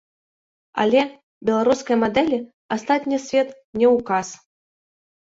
Але беларускай мадэлі астатні свет не ўказ.